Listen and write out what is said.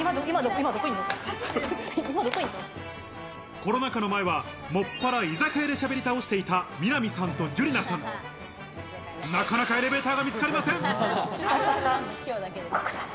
コロナ禍の前は、もっぱら居酒屋でしゃべり倒していた美波さんと樹莉奈さん、なかなかエレベーターが見つかりません。